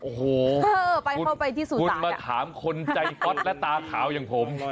โอ้โหคุณมาถามคนใจฟ็อตและตาขาวอย่างผม